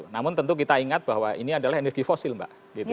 namun tentu kita ingat bahwa ini adalah energi fosil mbak